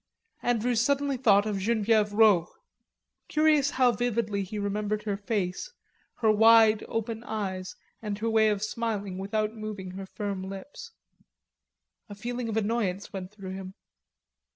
Andrews suddenly thought of Genevieve Rod. Curious how vividly he remembered her face, her wide, open eyes and her way of smiling without moving her firm lips. A feeling of annoyance went through him.